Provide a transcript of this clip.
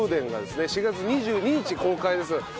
４月２２日公開です。